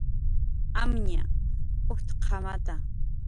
"Amñ ujtq""amata"